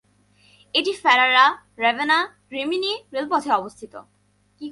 এটি ফেরারা-রাভেনা-রিমিনি রেলপথে অবস্থিত।